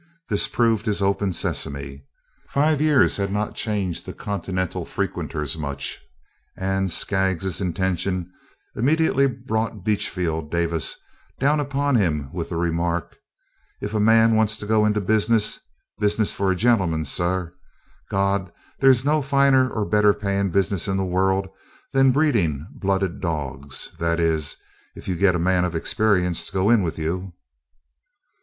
This proved his open sesame. Five years had not changed the Continental frequenters much, and Skaggs's intention immediately brought Beachfield Davis down upon him with the remark, "If a man wants to go into business, business for a gentleman, suh, Gad, there 's no finer or better paying business in the world than breeding blooded dogs that is, if you get a man of experience to go in with you."